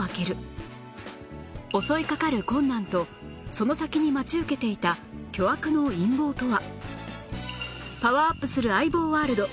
襲いかかる困難とその先に待ち受けていた巨悪の陰謀とは！？